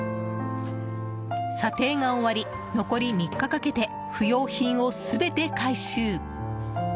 査定が終わり残り３日かけて不要品を全て回収。